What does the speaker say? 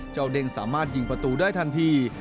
เด้งสามารถยิงประตูได้ทันที